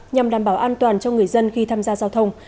nhằm đảm bảo an toàn cho người dân khi tham gia giao thông